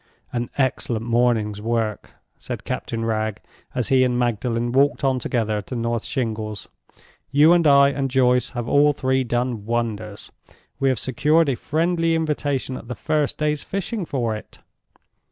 "An excellent morning's work!" said Captain Wragge, as he and Magdalen walked on together to North Shingles. "You and I and Joyce have all three done wonders. We have secured a friendly invitation at the first day's fishing for it."